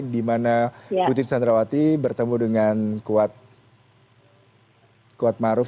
dimana putri chandrawati bertemu dengan kuatmaruf